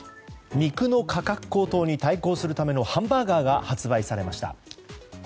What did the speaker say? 肉の価格高騰に対抗するためのハンバーガーが発売されました。